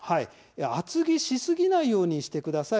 厚着しすぎないようにしてください。